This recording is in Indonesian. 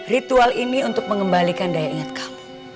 ritual ini untuk mengembalikan daya ingat kamu